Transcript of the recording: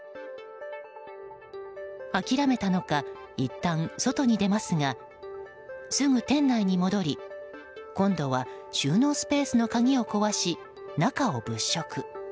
諦めたのかいったん外に出ますがすぐ店内に戻り今度は収納スペースの鍵を壊し中を物色。